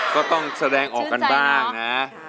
ก็ต้องแสดงออกกันบ้างนะ